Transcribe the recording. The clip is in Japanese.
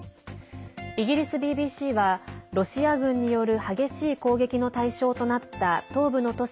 イギリスＢＢＣはロシア軍による激しい攻撃の対象となった東部の都市